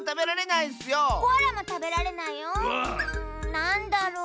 なんだろう？